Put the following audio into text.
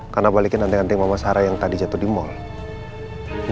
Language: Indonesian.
karena balikin nanti nanti mama sarah yang tadi jatuh di mall